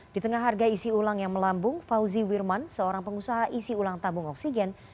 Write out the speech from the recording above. di tengah harga isi ulang yang melambung fauzi wirman seorang pengusaha isi ulang tabung oksigen